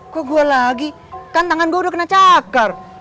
kok gue lagi kan tangan gue udah kena cakar